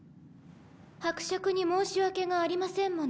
伯爵に申し訳がありませんもの。